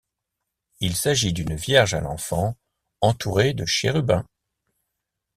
Il s'agit d'une Vierge à l'Enfant, entourée de chérubins.